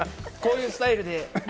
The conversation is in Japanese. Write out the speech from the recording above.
こういうスタイルで。